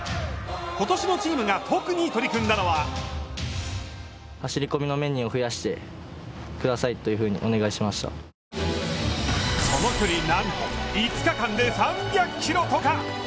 ことしのチームが特に取り組んだのはその距離、なんと５日間で３００キロとか！